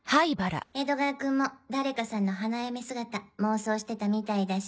江戸川君も誰かさんの花嫁姿妄想してたみたいだし。